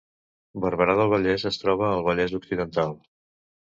Barberà del Vallès es troba al Vallès Occidental